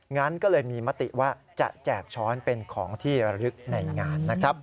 งั้นก็เลยมีมติว่าจะแจกช้อนเป็นของที่ระลึกในงานนะครับ